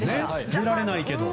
出られないけど。